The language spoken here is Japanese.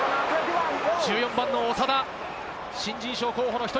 １４番の長田、新人賞候補の一人。